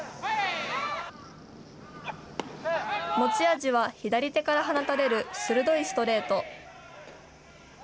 持ち味は、左手から放たれる鋭いストレート。